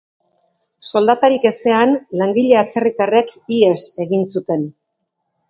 Soldatarik ezean, langile atzerritarrek ihes egin zuten.